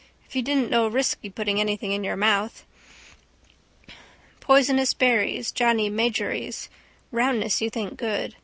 If you didn't know risky putting anything into your mouth. Poisonous berries. Johnny Magories. Roundness you think good.